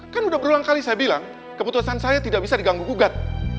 kan udah berulang kali saya bilang keputusan saya tidak bisa diganggu gugat